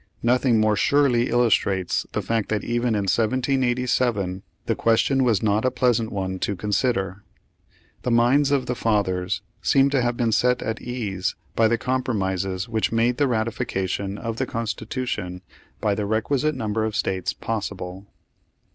Nothing more surely illustrates the fact that even in 1787 the question was not a pleasant one to consider. The minds of the fathers seem to have been set at ease by the compromises which made the ratification of the Page Thirteen Constitution by the requisite number of states pos sible.